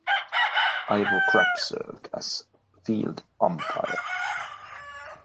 Ivo Crapp served as field umpire.